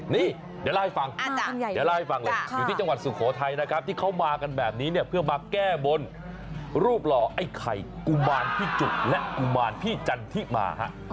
นี่เดี๋ยวล่าให้ฟังอยู่ที่จังหวัดสุโขทัยนะครับที่เขามากันแบบนี้เพื่อมาแก้บนรูปหล่อไอ้ไข่กุมารพี่จุดและกุมารพี่จันทร์ที่มา